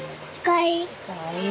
かわいい。